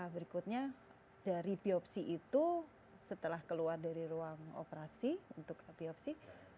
berikutnya dari biopsi itu setelah keluar dari ruang operasi untuk biopsi